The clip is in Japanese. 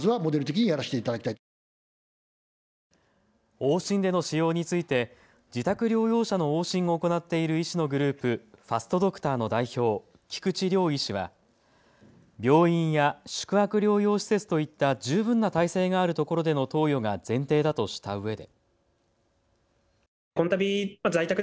往診での使用について自宅療養者の往診を行っている医師のグループ、ファストドクターの代表、菊池亮医師は病院や宿泊療養施設といった十分な体制がある所での投与が前提だとしたうえで。